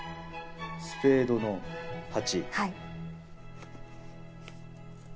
スペードの８。